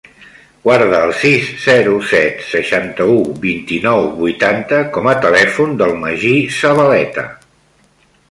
Guarda el sis, zero, set, seixanta-u, vint-i-nou, vuitanta com a telèfon del Magí Zabaleta.